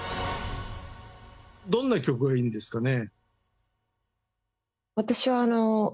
どんな曲がいいんですかね？